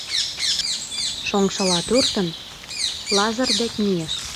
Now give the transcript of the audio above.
Шоҥшыла туртын, Лазыр дек мийыш.